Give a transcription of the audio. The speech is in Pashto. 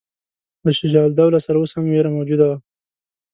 له شجاع الدوله سره اوس هم وېره موجوده وه.